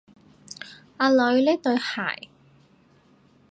阿女，呢對鞋